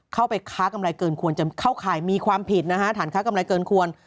เข้าไปค้ากำไรเกินควรจะเข้าข่ายมีความผิดนะฮะฐานค้ากำไรเกินควร